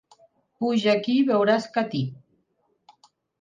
Puja aquí i veuràs Catí.